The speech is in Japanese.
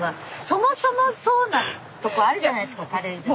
そもそもそうなとこあるじゃないですか軽井沢。